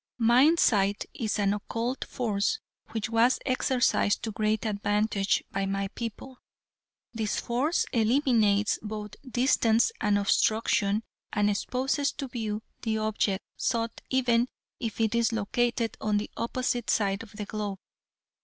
"Mind sight is an occult force which was exercised to great advantage by my people. This force eliminates both distance and obstruction and exposes to view the object sought even if it is located on the opposite side of the globe.